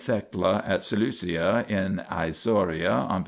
Thecla at Seleucia in Isauria on p.